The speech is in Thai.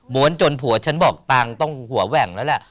จนผัวฉันบอกตังค์ต้องหัวแหว่งแล้วแหละ